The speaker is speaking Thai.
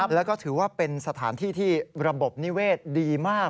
แล้วก็ถือว่าเป็นสถานที่ที่ระบบนิเวศดีมาก